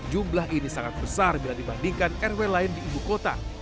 jumlah ini sangat besar bila dibandingkan rw lain di ibu kota